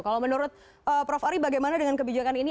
kalau menurut prof ari bagaimana dengan kebijakan ini